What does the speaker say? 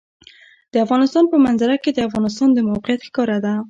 د افغانستان په منظره کې د افغانستان د موقعیت ښکاره ده.